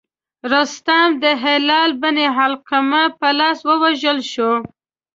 رستم د هلال بن علقمه په لاس ووژل شو.